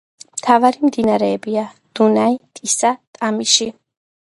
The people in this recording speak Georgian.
მთავარი მდინარეებია: დუნაი, ტისა, ტამიში.